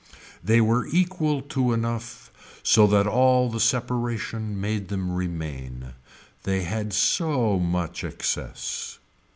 They were equal to enough so that all the separation made them remain. They had so much excess.